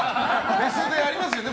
フェスでありますよね。